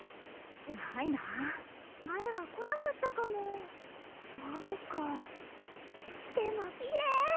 ないな前は来なかったかもそうですかでもきれい！